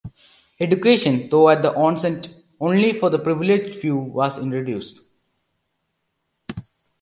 Education, though at the onset only for the privileged few, was introduced.